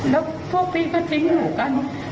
แล้วพวกพี่ก็ทิ้งหนูกัน